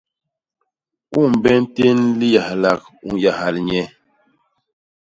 Umbe u ntén liyahlak u nyahal nye?